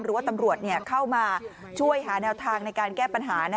หรือว่าตำรวจเข้ามาช่วยหาแนวทางในการแก้ปัญหา